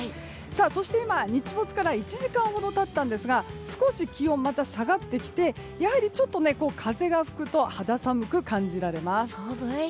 そして今、日没から１時間ほど経ったんですが少し気温また下がってきてやはりちょっと風が吹くと肌寒く感じられます。